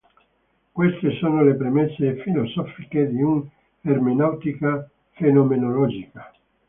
Queste sono le premesse filosofiche di un'ermeneutica fenomenologica.